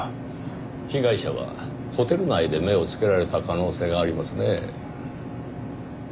被害者はホテル内で目をつけられた可能性がありますねぇ。